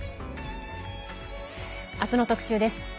明日の特集です。